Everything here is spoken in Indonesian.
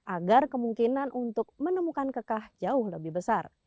agar kemungkinan untuk menemukan kekah jauh lebih besar